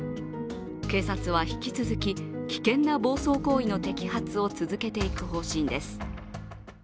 警察は引き続き危険な暴走行為の摘発を続けていく方針です。